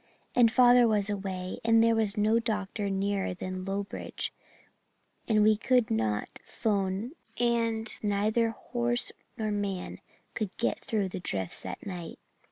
And father was away and there was no doctor nearer than Lowbridge and we could not 'phone and neither horse nor man could get through the drifts that night.